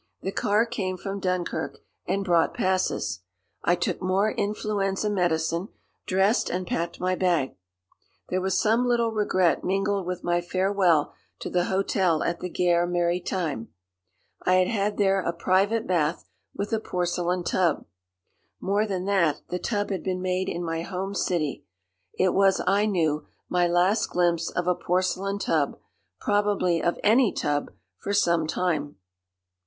The car came from Dunkirk, and brought passes. I took more influenza medicine, dressed and packed my bag. There was some little regret mingled with my farewell to the hotel at the Gare Maritime. I had had there a private bath, with a porcelain tub. More than that, the tub had been made in my home city. It was, I knew, my last glimpse of a porcelain tub, probably of any tub, for some time.